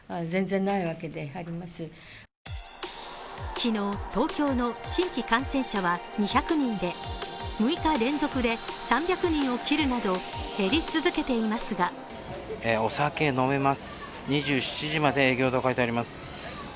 昨日、東京の新規感染者は２００人で６日連続で３００人を切るなど減り続けていますがお酒飲めます、２７時まで営業と書いてあります。